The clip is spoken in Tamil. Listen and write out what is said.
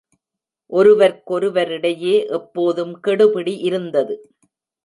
ஒருவர்க்கொருவரிடையே எப்போதும் கெடுபிடி இருந்தது.